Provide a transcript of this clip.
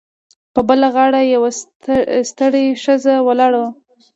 په بله غاړه یوه ستړې ښځه ولاړه وه